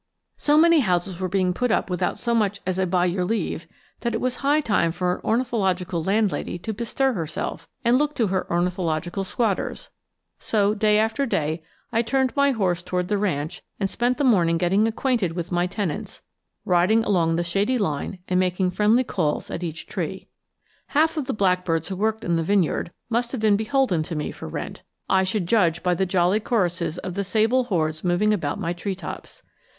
So many houses were being put up without so much as a by your leave that it was high time for an ornithological landlady to bestir herself and look to her ornithological squatters; so, day after day I turned my horse toward the ranch and spent the morning getting acquainted with my tenants, riding along the shady line and making friendly calls at each tree. Half of the blackbirds who worked in the vineyard must have been beholden to me for rent, I should judge by the jolly choruses of the sable hordes moving about my treetops.